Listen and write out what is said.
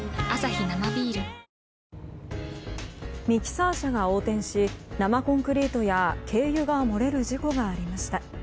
ミキサー車が横転し生コンクリートや軽油が漏れる事故がありました。